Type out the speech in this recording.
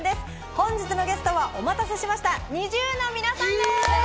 本日のゲストは、お待たせいたしました、ＮｉｚｉＵの皆さんです！